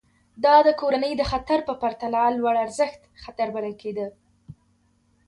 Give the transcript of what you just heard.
دا د کورنۍ د خطر په پرتله لوړارزښت خطر بلل کېده.